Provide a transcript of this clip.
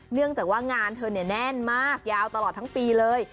เนื่องจากว่างานเธอเนี่ยแน่นมากยาวตลอดทั้งปีเลย